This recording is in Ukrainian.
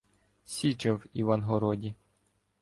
Січа в Івангороді